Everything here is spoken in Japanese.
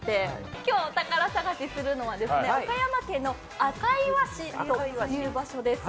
今日お宝探しするのは岡山県の赤磐市という場所です。